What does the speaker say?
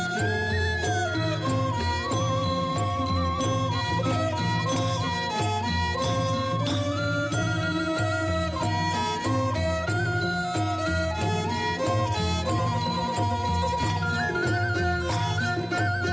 จริง